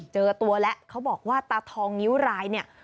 เจอตัวแล้วเขาบอกว่าตาทองนิ้วรายเนี่ย